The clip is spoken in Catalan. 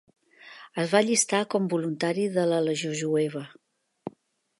Es va allistar com voluntari de la Legió jueva.